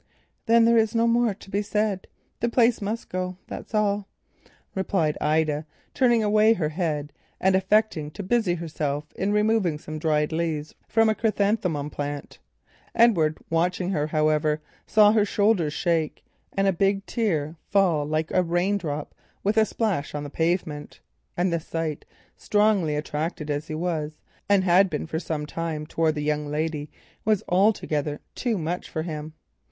"Then there is no more to be said. The place must go, that's all," replied Ida, turning away her head and affecting to busy herself in removing some dried leaves from a chrysanthemum plant. Edward, watching her however, saw her shoulders shake and a big tear fall like a raindrop on the pavement, and the sight, strongly attracted as he was and had for some time been towards the young lady, was altogether too much for him.